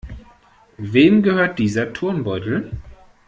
Wem gehört dieser Turnbeutel?